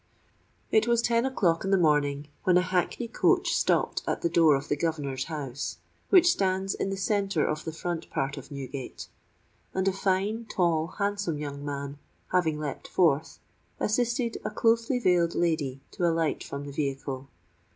It was ten o'clock in the morning, when a hackney coach stopped at the door of the governor's house, which stands in the centre of the front part of Newgate; and a fine, tall, handsome young man, having leapt forth, assisted a closely veiled lady to alight from the vehicle.